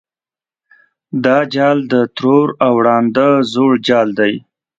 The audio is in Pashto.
دا جال د ترور او ړانده زوړ جال دی.